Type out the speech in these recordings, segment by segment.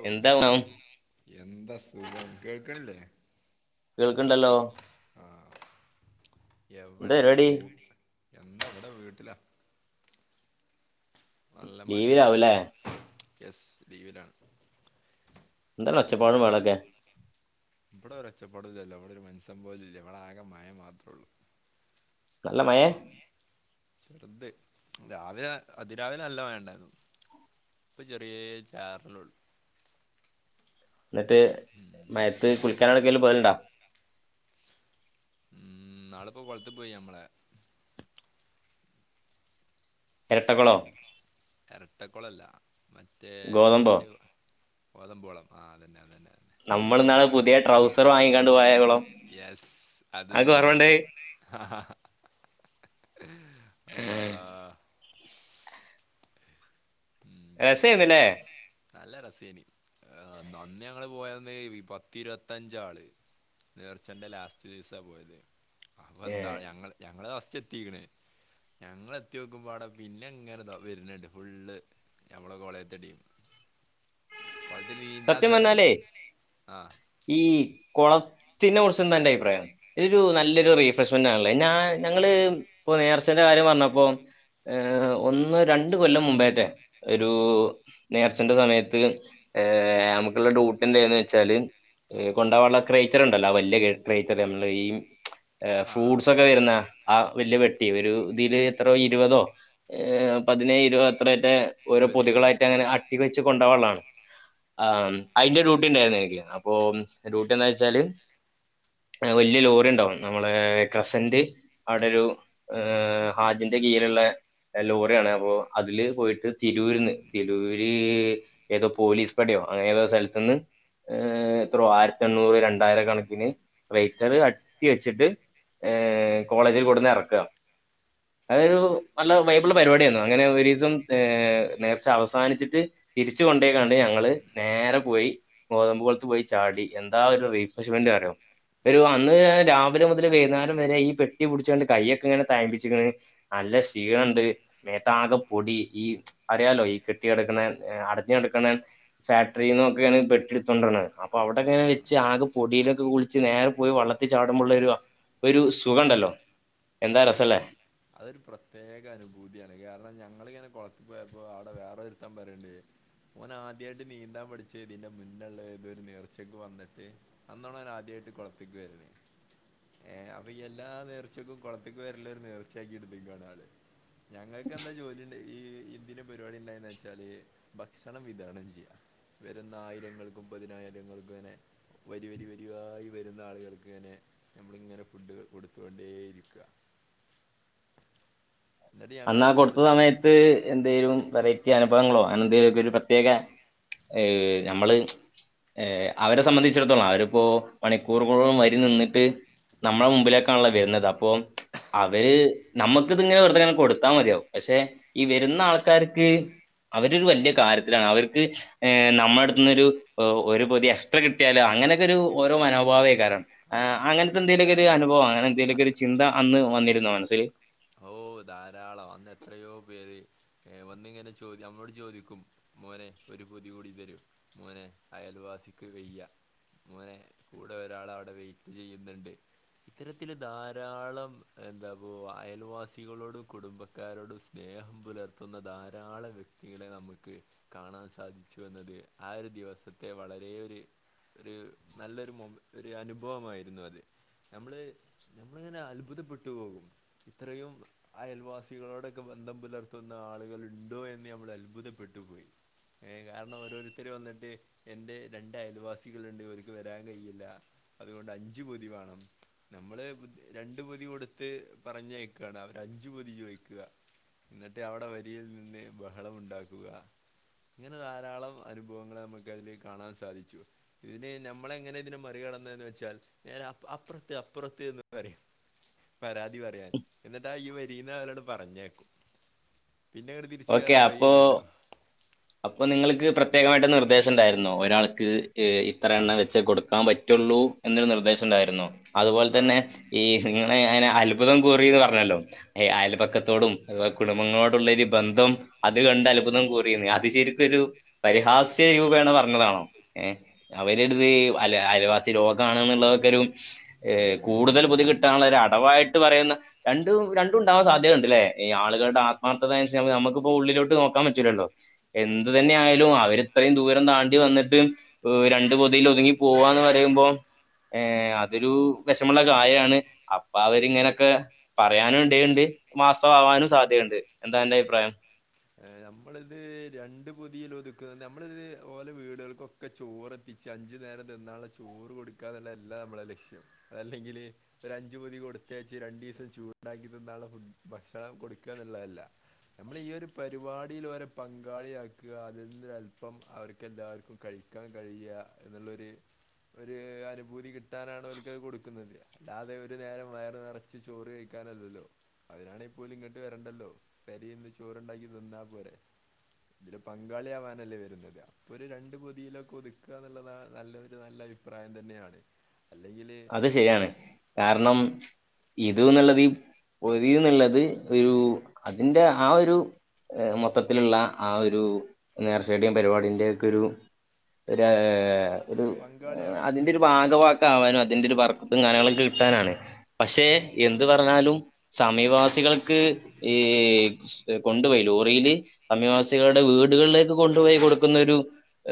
ഓ എന്താ [unintelligible] എന്താ സുഖം കേൾക്കണില്ലേ കേൾക്കണ്ടല്ലോ ആഹ് എന്താ എവടെ പരിപാടി പൂ എന്താ വടെ വീട്ടിലാ നല്ല മഴല്ലേ ലീവിലാവൂലേ എസ് ലീവിലാണ് എന്താണ് ഉം. ഒച്ചപാടും ബഹളൊക്കെ ഇവിടെ ഒരുഒച്ചപ്പടില്ലല്ലോ അവിടെ ഒരു മനുഷ്യൻ പോലും ഇല്ല അവിടെ ആകെ മഴ മാത്രേള്ളൂ നല്ല മയ ചെറുത് രാവിലെ അതിരാവിലെ നല്ല മഴണ്ടായിരുന്നു പ്പൊ ചെറിയ ചാറലോള്ളൂ എന്നിട്ട് ഉം. മയത്ത് കുളിക്കാന എടക്കെലും പോവലണ്ടോ ഉം നാളെപ്പോ കൊളത്തി പോയി നമ്മളെ എരട്ടകുളം ഇരട്ടക്കുളല്ല മറ്റേ ഗോതമ്പോ മറ്റേ ഗോതമ്പോളം ആ അതുന്നെ അതന്നെ നമ്മൾ ഇന്നാള് പുതിയ ട്രൗസർ വാങ്ങിക്കാണ്ട് പോയകുളം യെസ് അത് തന്നെ ആ ഹാ ഹാ അള്ളാ ഉം, രസയിരുന്നു അല്ലെ നല്ല രസേനി നന്നി ഞങ്ങള് പോയന്ന് പത്തി ഇരുപത്തഞ്ചാള് നേർച്ചെന്റെ ലാസ്റ്റ് ദിവസാ പോയത് അപ്പൊ ന്താ ഞങ്ങള് ഞങ്ങള ഫസ്റ്റ് എത്തിക്കണേ ഞങ്ങ എത്തി നോക്കുമ്പോൾടെ പിന്നെ എങ്ങനൊ വരുന്നുണ്ട് ഫുള്ള് ഞമ്മള കൊളയത്തെടീയും കൊളത്തി നീന്താ സത്യം സ്ഥലല്ല പറഞ്ഞാലേ ആഹ് ഈ കുളത്തിനെ കുറിചെന്ത അന്റെ അഭിപ്രായം? ഇതൊരു നല്ലൊരു റീഫ്രഷ്മെന്റ് ആണല്ലേ ഞാ ഞങ്ങള് ഇപ്പൊ നേർച്ചേന്റെ കാര്യം പറഞ്ഞപ്പോ ഏ ഒന്ന് രണ്ട കൊല്ലം മുമ്പേട്ടെ ഒരു നേർച്ചന്റെ സമയത്ത് ഏ നമുക്കുള്ള ഡൂട്ട്ന്റെന്ന് വെച്ചാല് കൊണ്ടാകാനുള്ള ക്രേച്ചർണ്ടല്ലോ വല്ല്യ ക്രേച്ചർ നമ്മള് ഈ ആ ആ ഫ്രൂട്ട്സ് ഒക്കെ വരുന്ന ആ വല്യ പെട്ടി ഒരു ഇതിൽ എത്രയോ ഇരുപതോ പതിനേ ഇരുപ- അത്രയായിട്ട് ഓരോ ഇരുപത് ഇരുപത് പൊതുകളായിട്ട് അങ്ങനെ അട്ടി വെച്ച് കൊണ്ടൊകാനുള്ളതാണ് ആ അതിന്റെ ഡ്യൂട്ടി ണ്ടായിരുന്നു അപ്പൊ ഡ്യൂട്ടി എന്താ ച്ചാല് വല്ല്യ ലോറി ണ്ടാവുംനമ്മള കസന്റ് അവിടെ ഒരു ഏ ഹാജിന്റെ കീഴ്ല്ള്ള ലോറിയാണ് അപ്പോ അതില് പോയിട്ട് തിരൂര്ന്ന് തിരൂര് ഏതോ പോലീസ് പടിയോ അങ്ങനതോ സ്ഥലത്തുന്ന് ഏ എത്രോ ആയിരത്തി എണ്ണൂറ് രണ്ടായിര കണക്കിന് റേറ്റർ അട്ടി വെച്ചിട്ട് ഏ കോളേജിൽ കൊടുന്നെറക്ക അതോരു നല്ല വൈബിള്ള പരിപാടിയായിരുന്നു അങ്ങനെ ഒരു ദിവസം നേർച്ച അവസാനിച്ചിട്ട് തിരിച്ച് ക്കാണ്ട് ഞങ്ങള് നേരെ പോയി ഗോതമ്പ് കൊളത്ത് പോയി ചാടി എന്താ ഒരു റീഫ്രഷ്മെന്റ് അറിയോ ഒരു അന്ന് രാവിലെ മുതൽ വൈന്നേരം വരെ ഈ പെട്ടി പിടിച്ചോണ്ട് കയ്യൊക്കെ ഇങ്ങനെ തഴമ്പിചക്കൻ നല്ല ക്ഷീണണ്ട് മേത്താകെ പൊടി ഈ അറിയാലോ ഈ കെട്ടിയെടുക്കുന്ന അടു ഫാക്ടറിന്നൊക്കെയാണ് ബെഡ് എടുത്തോണ്ട് വരണത് അപ്പൊ ആ അവിടെക്കെ ആ വെച് ആകേ പൊടിയിലൊക്കെ കുളിച്ച് നേരെ പോയി വള്ളത്തിൽ ചാടുമ്പോുള്ള ഒരു ഒരു സുഖം ണ്ടല്ലോ എന്താ രസംല്ലേ. അതൊരു പ്രത്യേക അനുഭൂതിയാണ് കാരണം ഞങ്ങളി ങ്ങനെ കൊളത്തി പോയപ്പോ അവിടെ വേറെ ഒരുത്താൻ പറയുണ്ടേ ഓൻ ആദ്യമായിട്ട് നീന്താൻ പഠിച്ചേ ഇതിന്റെ മുന്നുള്ള ഇതൊരു നേർച്ചക്ക് വന്നിട്ട് അന്നോണോ ഓൻ ആദ്യമായിട്ട് കുളത്തേക്ക് വരണേ ഏ അപ്പ ഈ എല്ലാ നേർച്ചക്കും കുളത്തേക്കും വരല്ഒരു നേർച്ച ച്ചാക്കിടത് ക്കാണ് ആള് ഞങ്ങൾക്ക് എന്താ ജോലിണ്ട് ഈ ഇതിന്റെ പരിപാടി എന്താണ് വെച്ചാല് ഭക്ഷണം വിതരണം ചെയ്യാ വരുന്ന ആയിരങ്ങൾക്കും പതിനായിരങ്ങൾക്കും അങ്ങനെ വരി വരി വരിവായി വരുന്ന ആളുകൾക്കിങ്ങനെ നമ്മളിങ്ങനെ ഫുഡ്കൾ കൊടുത്തുകൊണ്ടേ ഇരിക്ക എന്നിട്ട് അന്നാ ഞങ്ങളിങ്ങനെ കൊടു കൊടുത്ത സമയത്ത് എന്തേലും വെറൈറ്റി അനുഭവങ്ങളോ അനെ എന്തേലുമക്കെ ഒരു പ്രത്യേക ഏ ഞമ്മള് ഏ അവരെ സംബന്ധിച്ചിടത്തോളം അവരിപ്പോ മണിക്കൂറുകളോളം വരി നിന്നിട്ട്. നമ്മടെ മുമ്പിലേക്കാണല്ലോ വരുന്നത് അപ്പൊ അവരെ നമ്മുക്ക് ഇതിങ്ങനെ വെറുതെ. കൊടുത്താ മതിയാവും പക്ഷെ ഈ വരുന്ന ആൾക്കാർക്ക് അവരൊരു വലിയ കാര്യത്തിലാണ് അവർക്ക്. ഏ നമ്മുടെ അടുത്തുന്ന് ഒരു പൊതി എക്സ്ട്രാ കിട്ടിയാല് അങ്ങനെയൊക്കെ ഒരു ഓരോ മനോഭാവായികാരം. ആ അങ്ങനത്തെ എന്തേലൊക്കൊ ഒരു അനുഭവം അങ്ങനെ എന്തേലൊക്കെ അത് ഒരു ചിന്ത അന്ന് വന്നിരുന്നോ മനസ്സിൽ. ഓ ധാരാളം അന്ന് എത്രയോ പേര് വന്നിങ്ങനെ ചോദി നമ്മളോട് ചോദിക്കും. മോനെ ഒരു പൊതി കൂടി തരൂ മോനെ അയൽവാസിക്ക് വയ്യ. മോനെ കൂടെ ഒരാളെ വിടെ വെയിറ്റ് ചെയ്യുന്നുണ്ട്. ഇത്തരത്തില് ധാരാളം എന്താപ്പോ അയൽ. അയൽവാസികളോടും കുടുംബക്കാരോടും സ്നേഹം പുലർത്തുന്ന ധാരാളം വ്യക്തികളെ നമുക്ക്. കാണാൻ സാധിച്ചു എന്നത് ആ ഒരു ദിവസത്തെ വളരെ ഒരു. ഒരു നല്ലൊരു മൊ ഒരു അനുഭവമായിരുന്നു അത് ഞമ്മള്. നമ്മളിങ്ങനെ അത്ഭുതപ്പെട്ട് പോകും ഇത്രയും. അയൽവാസികളോടൊക്കെ ബന്ധം പുലർത്തുന്ന ആളുകൾ ഉണ്ടോ എന്ന് നമ്മൾ അത്ഭുതപ്പെട്ടുപോയി. ഏയ് കാരണം ഓരോരുത്തര് വന്നിട്ട്. എൻ്റെ രണ്ട് അയൽവാസികളുണ്ട് ഓരിക്ക് വരാൻ കഴിയില്ല അതുകൊണ്ട് അഞ്ച് പൊതി വേണം. നമ്മള് രണ്ടു പൊതി കൊടുത്ത് പറഞ്ഞയക്കാണ് അവരെ അഞ്ച് പൊതി ചോദിക്കുവാ. എന്നിട്ട് അവിടെ വരിയിൽ നിന്ന് ബഹളം ഉണ്ടാക്കുക. ഇങ്ങനെ ധാരാളം അനുഭവങ്ങളെ നമുക്ക് അതില് കാണാൻ സാധിച്ചു. ഇത് നമ്മള് എങ്ങനെ ഇതിനെ മറികടന്നെന്ന് വെച്ചാൽ ഞാൻ അപ്പുറത്ത് അപ്പുറത്ത് എന്ന് പറയും. പരാതി പറയാൻ എന്നിട്ടാ ഈ വരീന്ന് ആളോട് പറഞ്ഞേക്കും പിന്നെങ്ങാട്. [unintelligible] [unintelligible] ഓക്കെ കയറാൻ അപ്പോ വഴിയില്ലല്ലോ. അപ്പൊ നിങ്ങൾക്ക് പ്രത്യേകമായിട്ട് നിർദ്ദേശം ഉണ്ടായിരുന്നോ ഒരാൾക്ക് ഇത്ര എണ്ണം വെച്ച് കൊടുക്കാൻ പറ്റുള്ളൂ. എന്നൊരു നിർദ്ദേശം ഉണ്ടായിരുന്നോ. അതുപോലെ ആ തന്നെ ഈ നിങ്ങളെ ഞാൻ അത്ഭുതം കൂറിന്ന് പറഞ്ഞല്ലോ എ ആ അയൽപക്കത്തോടും. അഥവാ കുടുംബങ്ങളോടുള്ള ഒരു ബന്ധം അത് കണ്ട് അത്ഭുതം കൂറിന്ന് അത് ശരി. ഒരു പരിഹാസ്യ രൂപേണ പറഞ്ഞതാണോ ഏ. അവരടുത്ത് അല അയൽവാസി രോഗാണ് എന്നുള്ളതൊക്കെ ഒരു. ഏ കൂടുതൽ പൊതി കിട്ടാനുള്ള ഒരു അടവായിട്ട് പറയുന്ന രണ്ടും രണ്ടും ഉണ്ടാവാൻ സാധ്യത ഉണ്ടല്ലേ. ഈ ആ ആളുകളുടെ ആത്മാർത്ഥത അനുസരിച്ച് നമുക്കിപ്പോ ഉള്ളിലോട്ട് നോക്കാൻ പറ്റൂല്ലല്ലോ എന്ത് അങ്ങനെ തന്നെയാ. അവര് ഇത്രയും ദൂരം താണ്ടി വന്നിട്ട് രണ്ടു പൊതിൽ ഒതുങ്ങി പോവാന്ന് പറയുമ്പോ. ഏഹ് അതൊരു വെഷമമുള്ള കാര്യാണ് അപ്പ അവര്. ഇതിങ്ങനെ ഒക്കെ പറയാനും ഇടയുണ്ട് മാസം ആവാനും സാധ്യതയുണ്ട് എന്താ അന്റെ അഭിപ്രായം. നമ്മളിത് രണ്ടു പൊതിയിൽ ഒതുക്കുന്നത് നമ്മളിത് ഓലെ വീടുകൾക്കൊക്കെ. ഒക്കെ ചോറ് എത്തിച്ച് അഞ്ച് നേരം തിന്നാനുള്ള ചോറ് കൊടുക്കുക എന്നല്ല നമ്മളുടെ ലക്ഷ്യം അതല്ലെങ്കില്. ഒരു അഞ്ച് പൊതി കൊടുത്തയച്ച് രണ്ട് ദിവസം ചൂടാക്കി തിന്നാനുള്ള ഫു ഭക്ഷണം കൊടുക്ക എന്നുള്ളതല്ല. നമ്മള് ഈ ഒരു. പരിപാടിയിൽ ഓരെ പങ്കാളി ആക്കുക അതിൽ നിന്നോരു അല്പം അവർക്ക് എല്ലാവർക്കും കഴിക്കാൻ കഴിയുക. എന്നുള്ളൊരു. ഒരു അനുഭൂതി കിട്ടാനാണ് ഓല്ക്കത് കൊടുക്കുന്നത് അല്ലാതെ ഒരു നേരം വയറ് നിറ. ച്ച് ചോറ് കഴിക്കാനല്ലല്ലോ അതിനാണേ പോലും ഇങ്ങോട്ട് വരണ്ടല്ലോ പെരേന്ന് ചോറ് ഉണ്ടാക്കി. തിന്നാ പോരെ. ഇതില് പങ്കാളി ആവാനല്ലേ വരുന്നത് അപ്പൊ ഒരു രണ്ട് പൊതിയിലൊക്കെ ഒതുക്കുക എന്നുള്ളതാ നല്ലൊരു നല്ലൊരു കാ.. പ്രായം തന്നെയാണ്. അല്ലെങ്കില്. അത് ശരിയാണ് ഏഹ് ആ കാരണം. ഇതുന്നുള്ളത് ഈ പൊതി എന്നുള്ളത് ഒരു അതിന്റെ ആ ഒരു. മൊത്തത്തിലുള്ള ആ ഒരു നേർച്ചയിടിലിൻ്റെ പരിപാടിന്റെ ഒക്കെ ഒരു. ഒരു ഒരു അതിന്റെ പങ്കാളിയാവുക ഒരു ഭാഗവാക്ക് ആവാനും. അതിന്റെ ഒരു ബർക്കത്തും കാര്യങ്ങളൊക്കെ കിട്ടാനാണ് പക്ഷെ എന്ത് പറഞ്ഞാലും സമീപവാസികൾക്ക് ഈ ഏഹ് കൊണ്ടുപോയി ലോറിയില് സമീവാസികളുടെ വീടുകളിലേക്ക് കൊണ്ടുപോയി കൊടുക്കുന്നൊരു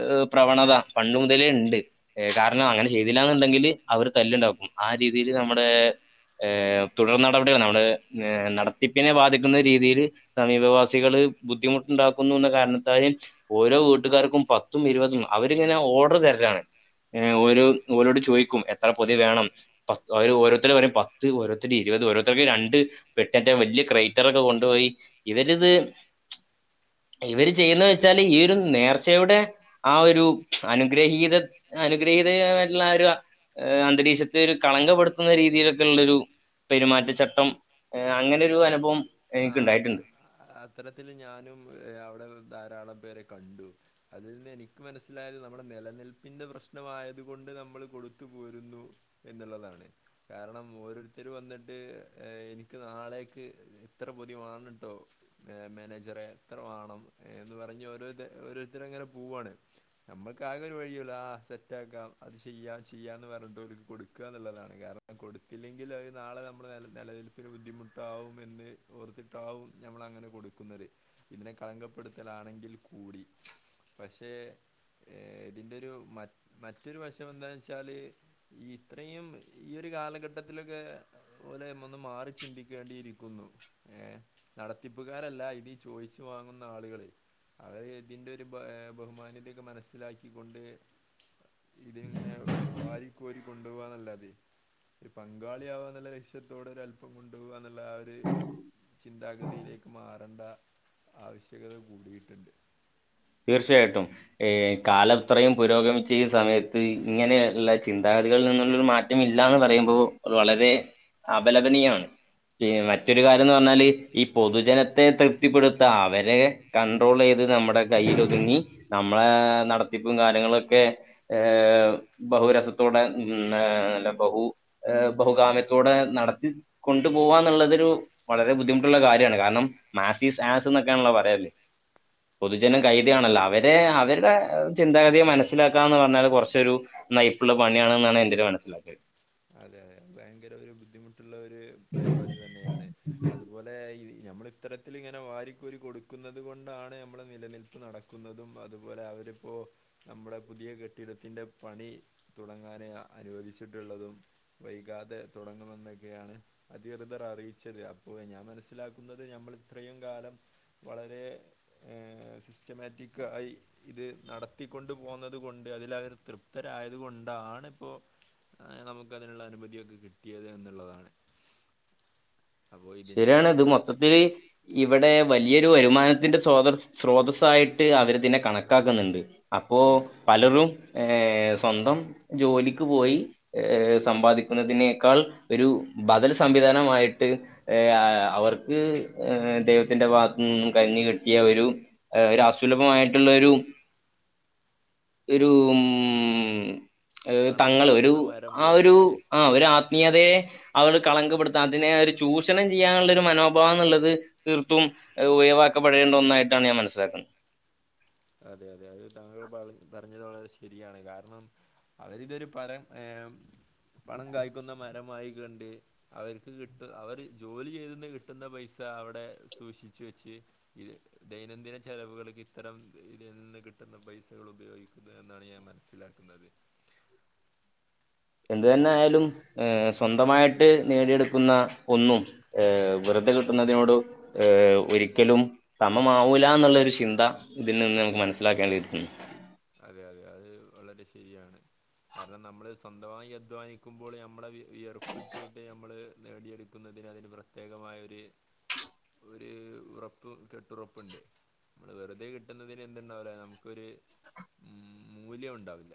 ഏഹ് പ്രവണത പണ്ട് മുതലേ ഇണ്ട് ഏ കാരണം അങ്ങനെ ചെയ്തിലാന്ന്ണ്ടെങ്കിൽ അവര് തല്ല്ണ്ടാക്കും ആ രീതിയില് നമ്മുടെ ഏഹ് തുടർ നടപടിയാണ് നമ്മുടെ ഏഹ് നടത്തിപ്പിനെ ബാധിക്കുന്ന രീതിയില് സമീപവാസികള് ബുദ്ധിമുട്ടുണ്ടാക്കുന്നു എന്ന കാരണത്താല് ഓരോ വീട്ടുകാർക്കും പത്തും ഇര്വതും അവരിങ്ങനെ ഓഡർ തര്ലാണ് ഏ ഒര് ഓലോട് ചോയ്ക്കും എത്ര പൊതി വേണം പത്ത് അഹ് ഓരോര്ത്തര് പറിം പത്ത് ഓരോര്ത്തര് ഇരുവത് ഓരോര്ത്തര്ക്ക് രണ്ട് പെട്ട്യറ്റെ വല്ല്യ ക്രൈറ്ററൊക്കെ കൊണ്ടുപോയി ഇവരിത് ഇവര് ചെയ്യ്ന്ന് വെച്ചാല് ഈ ഒരു നേർച്ചയുടെ ആ ഒരു അനുഗ്രഹീത അനുഗ്രഹീതയിട്ടുള്ള ആ ഒര് ഹ് അന്തരീക്ഷത്തിൽ കളങ്കപ്പെടുത്തുന്ന രീതിയിലൊക്കെ ഉള്ളൊരു പെരുമാറ്റച്ചട്ടം ഹ് അങ്ങനെ ഒര് അനുഭവം ആ അത് എനിക്കുണ്ടായിട്ടുണ്ട് അ അത്തരത്തില് ഞാനും ഏ അവ്ടെ ധാരാളം പേരെ കണ്ടു. അതിൽന്ന് എനിക്ക് മനസ്സിലായത് നമ്മുടെ നെലനിൽപ്പിന്റെ പ്രശ്നമായതുകൊണ്ട് നമ്മൾ കൊടുത്തു പോരുന്നു എന്നുള്ളതാണ് കാരണം ഓരോരുത്തര് വന്നിട്ട് ഹ് ഏഹ് എനിക്ക് നാളേക്ക് ഇത്ര പൊതി വാങ്ങ്ണ്ടൊ ഏ മാനേജറെ ഇത്ര വാണം എന്ന് പറഞ്ഞ് ഓരോര്ത്ത ഓരോര്ത്തരങ്ങനെ പോവാണ്. അമ്മക്ക് ആകെ ഒരു വഴിയുള്ളു ആഹ് സെറ്റാക്കാം അത് ചെയ്യാം ചെയ്യാന്ന് പർഞ്ഞ്ട്ടോര്ക്ക് കൊട്ക്കാന്ന്ള്ളതാണ് കാരണം അഹ് കൊട്ത്തില്ലെങ്കിൽ അഹ് നാളെ നമ്മ്ളെ നെല നെലനിൽപ്പിന് ബുദ്ധിമുട്ടാവും എന്ന് ഓർത്തിട്ടാവും നമ്മളങ്ങനെ കൊടുക്കുന്നത് ഇതിനെ കളങ്കപ്പെടുത്തലാണെങ്കിൽ കൂടി പക്ഷേ ഏഹ് ഇതിന്റെ ഒരു മറ്റ് മറ്റൊരു വശം എന്താവെച്ചാല് ഇത്രയും ഈ ഒരു കാലഘട്ടത്തിലൊക്കെ ഓലൈമന്ന് മാറി ചിന്തിക്കേണ്ടിയിരിക്കുന്നു. ഏ നടത്തിപ്പുകാരല്ല ഇതീ ചോയ്ച്ചു വാങ്ങുന്ന ആളുകള് അഹ് ഇതിന്റൊര് ബഹ്‌ ഏ ബഹുമാന്യത്യൊക്കെ മനസ്സിലാക്കിക്കൊണ്ട് ഇതിങ്ങനെ ഹ് വാരി കോരി കൊണ്ടുപോവാന്നല്ലാതെ ഒര് പങ്കാളിയാവാ ന്നുള്ള ലക്ഷ്യത്തോടെ ഒരഅല്പം കൊണ്ടോവാന്നുള്ള ആ ഒര് ചിന്താഗതിയിലേക്ക് മാറണ്ട ആവ്ശ്യകത കൂടിയിട്ടുണ്ട്. തീർച്ചയായിട്ടും ഏ കാലത്രയും പുരോഗമിച്ച ഈ സമയത്ത് ഇങ്ങനെയ്ള്ള ചിന്താഗതികളിൽ നിന്നുള്ളൊരു മാറ്റ റ്റമില്ലാന്ന് പറയുമ്പോ അഹ് വളരെ അപലദനീയമാണ്. ഹ് മറ്റൊരു കാര്യം ന്ന് പർഞ്ഞാല് ഈ പൊതുജനത്തെ തൃപ്തിപ്പെടുത്ത അവരെ കൺട്രോളെയ്ത് നമ്മുടെ കയ്യ്ലൊതുങ്ങി നമ്മളെ നടത്തിപ്പും കാര്യങ്ങളൊക്കെ ഏഹ് ബഹുരസത്തോടെ ഹ്മ് ഹേ ല്ല ബഹു ഏ ബഹുകാമ്യത്തോടെ നടത്തി കൊണ്ടു പോവാന്നുള്ളതൊരു വളരെ ബുദ്ധിമുട്ടുള്ള കാര്യാണ് കാരണം മാസിസ് ആസ് ന്നൊക്കേണല്ലോ പറയൽ ജനം കൈതയാണല്ലോ അവരെ അവര്ടെ ഹ് ചിന്താഗതിയെ മനസ്സിലാക്കാന്ന് പർഞ്ഞാൽ കൊർച്ചൊരു ന്നയ്പ്ള്ള പണിയാണ്ന്നാണ് എന്റൊര് മനസ്സിലാക്കല് അതെതെ ഭയങ്കര ഒരു ബുദ്ധിമുട്ട് ട്ടുള്ള ഒര് പരിവാടി തന്നെയാണ് അതുപോലെ ഈ നമ്മള് ഇത്തരത്തിലിങ്ങനെ വാരിക്കോരി കൊട്ക്കുന്നത് കൊണ്ടാണ് നമ്മളെ നിലനിൽപ്പ് നടക്കുന്നതും അതുപോലെ അവരിപ്പോ നമ്മുടെ പുതിയ കെട്ടിടത്തിൻന്റെ പണി തുടങ്ങാന് അനുവദിച്ചിട്ടുള്ളതും വൈകാതെ തുടങ്ങുമെന്നൊക്കെയാണ് അധികൃതർ അറിയിച്ചത് അപ്പൊ ഞാൻ മനസ്സിലാക്കുന്നത് നമ്മൾ ഇത്രയും കാലം വളരെ ഏഹ് സിസ്റ്റമാറ്റിക്കായി ഇത് നടത്തിക്കൊണ്ട് പോന്നത് കൊണ്ട് അതില അവര് തൃപ്തരായത് കൊണ്ടാണ് ഇപ്പൊ അനമുക്ക് അതിനുള്ള അനുമതിയൊക്കെ കിട്ടിയത് എന്നുള്ളതാണ്. അപ്പോൾ ഇതിൻ്റെ ശെരിയാണ് പിന്നിൽ ഇത് ദാ മൊത്തത്തില് ഇവിടെ വലിയൊരു വരുമാനത്തിന്റെ സ്രോത സ്രോതസ്സായിട്ട് അവരിതിനെ കണക്കാക്കുന്നുണ്ട്. അപ്പോ ഉം, പലറും ഏഹ് സ്വന്തം ജോലിക്ക് പോയി ഏഹ് സമ്പാദിക്കുന്നതിനേക്കാൾ ഒരു ബദൽ സംവിധാനം ആയിട്ട് ഏഹ് അവർക്ക് ദൈവത്തിന്റെ ഭാഗത്ത നിന്നും കനിഞ്ഞു കിട്ടിയ ഒരു ഏഹ് ഒരു അസുലഭമായിട്ടുള്ളരു ഒരു ഉം പണം തങ്ങള് ഒരു കായ്ക്കുന്ന മരം ആ പോലെ ഒരു അല്ലേ ആ ഒരു ആത്മീയതയെ അതൊരു കളങ്കപ്പെടുത്താ അതിനെ ഒരു ചൂഷ് ചൂഷണം ചെയ്യാനുള്ള ഒരു മനോഭാവം എന്നുള്ളത് തീർത്തും ഉഴിവാക്കപ്പെടേണ്ട ഒന്നായിട്ടാണ് ഞാൻ മനസ്സിലാക്കുന്നത്. അതെ അതെ അത് താങ്കൾ പള പറഞ്ഞത് വളരെ ശരിയാണ് കാരണം അവരിതൊരു പരം ഏഹ് പണം കായ്ക്കുന്ന മരമായി കണ്ട്. അവർക്ക് കിട്ടും. അവര് ജോലി ചെയ്തെന്നെ കിട്ടുന്ന പൈസ അവിടെ സൂക്ഷിച്ച വെച്ച്. ഇത് ദൈനംദിന ചെലവുകൾക്ക് ഇത്തരം ഇതിൽ നിന്ന് കിട്ടുന്ന പൈസകൾ ഉപയോഗിക്കുന്നു എന്നാണ് ഞാൻ മനസ്സിലാക്കുന്നത്. എന്ത് തന്നെ അപ്പോൾ ഇത് ആയാലും ഏ സ്വന്തമായിട്ട് നേടിയെടുക്കുന്ന ഒന്നും, ഏ വെറുതെ കിട്ടുന്നതിനോട് ഏഹ് ഒരിക്കലും സമംമാവൂല എന്നുള്ള ഒരു ചിന്ത ഇതിൽ നിന്ന് നമുക്ക് മനസ്സിലാക്കേണ്ടിയിരിക്കുന്നു. അതെ അതെ അത് വളരെ ശരിയാണ്. കാരണം നമ്മള് സ്വന്തമായി അധ്വാനിക്കുമ്പോൾ നമ്മള് വിയറുപ്പറ്റിയിട്ട് നമ്മൾ നേടിയെടുക്കുന്നതിന് പ്രത്യേകമായൊരു ഒരു ഉറപ്പ് കെട്ടുറപ്പുണ്ട്. വെറുതെ കിട്ടുന്നതിനെന്തുണ്ടാവില്ല നമുക്കൊരു ഉം മൂല്യം ഉണ്ടാവില്ല.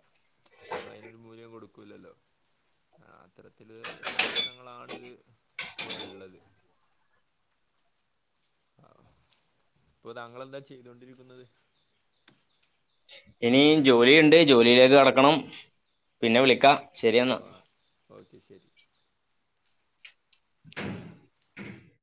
നമ്മൾ അതിനൊരു മൂല്യം കൊടുക്കൂല്ലല്ലോ ആ അത്തരത്തിൽ ഉള്ള പ്രശ്നങ്ങളാണിത് ഇപ്പോൾ ഉള്ളത്. ആഹ് ഇപ്പൊ താങ്കളെന്താ ചെയ്തുകൊണ്ടിരിക്കുന്നത്? ഇനി ജോലിയുണ്ട് ജോലിയിലേക്ക് കടക്കണം. പിന്നെ വിളിക്കാം ഓ ശരിയെന്നാ ഓക്കെ ശരി